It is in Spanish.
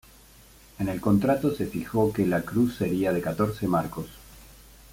En el contrato se fijó que la cruz sería de catorce marcos.